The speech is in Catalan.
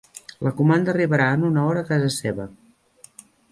La comanda arribarà en una hora a casa seva.